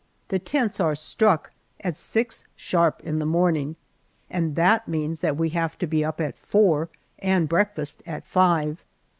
The tents are "struck" at six sharp in the morning, and that means that we have to be up at four and breakfast at five.